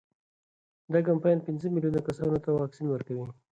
دا کمپاین پنځه میلیون کسانو ته واکسین ورکوي.